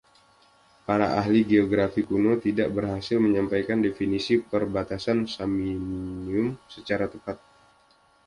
Para ahli geografi kuno tidak berhasil menyampaikan definisi perbatasan Samnium secara tepat.